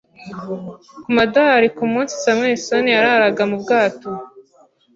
Ku madorari kumunsi Samuelson yararaga mu bwato